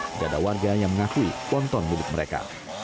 tidak ada warga yang mengakui ponton milik mereka